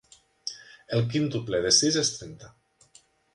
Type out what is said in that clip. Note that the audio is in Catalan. El quíntuple de sis és trenta.